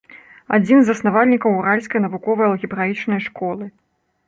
Адзін з заснавальнікаў уральскай навуковай алгебраічнай школы.